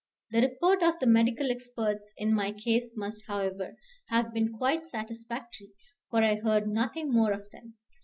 The report of the medical experts in my case must, however, have been quite satisfactory, for I heard nothing more of them.